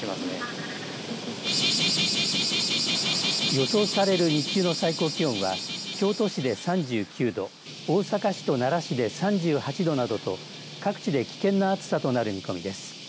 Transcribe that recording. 予想される日中の最高気温は京都市で３９度大阪市と奈良市で３８度などと各地で危険な暑さとなる見込みです。